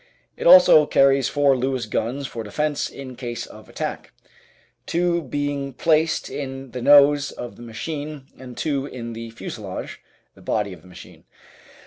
It also carries four Lewis guns for defence in case of attack, two being placed in the nose of the machine and two in the fuselage (the body of the machine).